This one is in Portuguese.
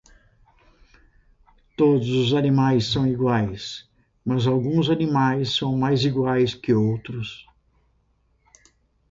Todos os animais são iguais, mas alguns animais são mais iguais que outros.